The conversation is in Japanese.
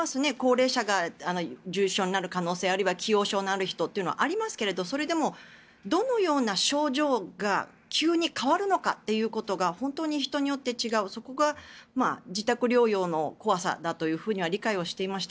高齢者が重症になる可能性あるいは既往症がある人とかありますがどのような症状が急に変わるのかということが人によって違うそれが自宅療養の怖さだと理解をしていました。